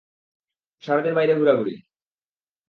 সারাদিন বাইরে ঘুরাঘুরি!